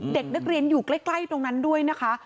เด็กนักเรียนอยู่ใกล้ตรงนั้นด้วยนะคะ